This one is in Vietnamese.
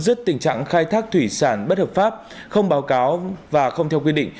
dứt tình trạng khai thác thủy sản bất hợp pháp không báo cáo và không theo quy định